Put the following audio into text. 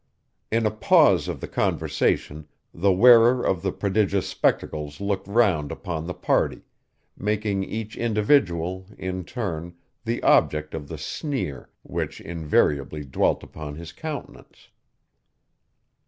In a pause of the conversation the wearer of the prodigious spectacles looked round upon the party, making each individual, in turn, the object of the sneer which invariably dwelt upon his countenance.